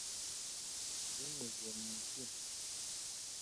binyuze mumutima.